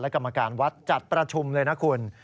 กรรมการวัดจัดประชุมเลยนะคุณ